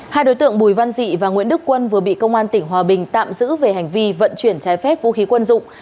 hai đối tượng bùi văn dị và nguyễn đức quân vừa bị công an tỉnh hòa bình tạm giữ về hành vi vận chuyển trái phép vũ khí quân dụng